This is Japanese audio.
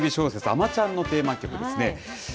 あまちゃんのテーマ曲ですね。